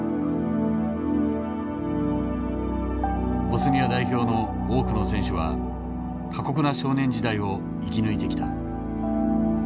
ボスニア代表の多くの選手は過酷な少年時代を生き抜いてきた。